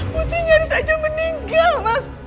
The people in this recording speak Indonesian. putri nyaris saja meninggal mas